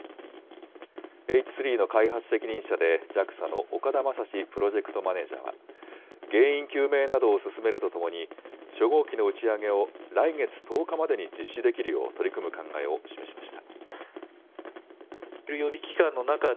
Ｈ３の開発責任者で、ＪＡＸＡの岡田匡史プロジェクトマネージャは、原因究明などを進めるとともに、初号機の打ち上げを来月１０日までに実施できるよう取り組む考えを示しました。